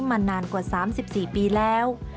มานานกว่า๓๔ปีแล้ว